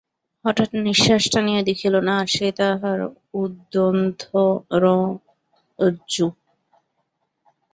হঠাৎ নিশ্বাস টানিয়া দেখিল, না, সে তাহার উদ্বন্ধনরজ্জু।